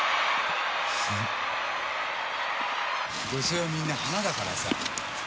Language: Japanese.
「女性はみんな花だからさ」